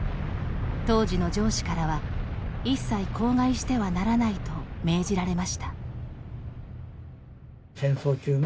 当時の上司からは一切口外してはならないと命じられました。